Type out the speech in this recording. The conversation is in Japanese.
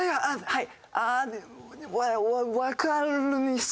はい。